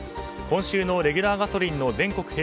今週のレギュラーガソリンの全国